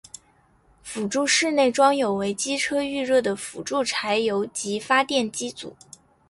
辅助室内装有为机车预热的辅助柴油机发电机组。